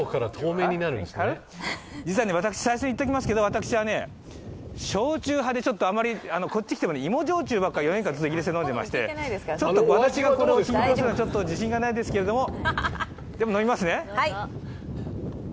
実は私、最初に言っておきますけど焼酎派であまり、こっちに来ても芋焼酎ばかり飲んでいまして、私がこれをリポートするのは自信がないですが、飲みますね。